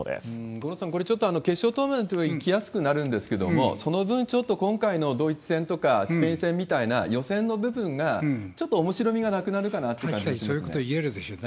五郎さん、ちょっとこれ、決勝トーナメントは行きやすくなるんですけど、その分、ちょっと今回のドイツ戦とかスペイン戦みたいな予選の部分が、ちょっとおもしろみがなくなるかなという感じがしますね。